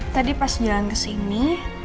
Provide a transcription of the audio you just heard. tadi pas jalan ke sini